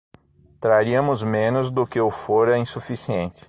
Traríamos menos do que o que fora insuficiente